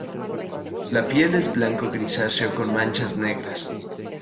La piel es blanco grisáceo con manchas negras.